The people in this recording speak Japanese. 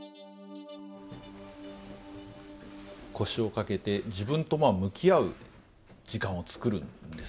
腰を掛けて自分と向き合う時間を作るんですね。